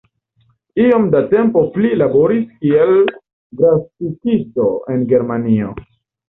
Iom da tempo li laboris kiel grafikisto en Germanio.